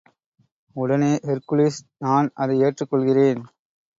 உடனே ஹெர்க்குலிஸ் நான் அதை ஏற்றுக் கொள்கிறேன்.